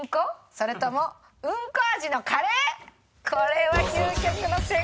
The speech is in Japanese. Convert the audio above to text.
それともうんこ味のカレー？